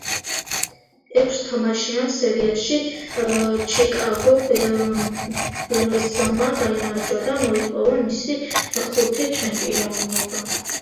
ექვს თამაშიან სერიაში ჩიკაგო ბულზმა გაიმარჯვა და მოიპოვა მისი მეხუთე ჩემპიონობა.